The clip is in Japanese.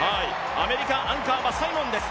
アメリカ、アンカーはサイモンです